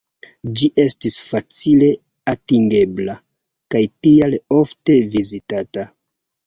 Ĝi estis facile atingebla kaj tial ofte vizitata.